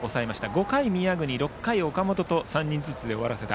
５回、宮國６回、岡本と３人ずつで終わらせた。